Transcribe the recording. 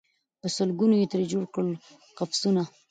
په سل ګونو یې ترې جوړ کړل قفسونه